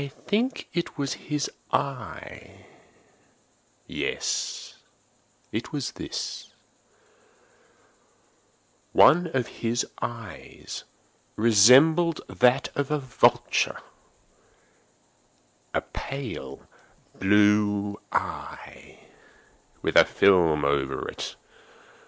I think it was his eye! yes, it was this! He had the eye of a vulture—a pale blue eye, with a film over it.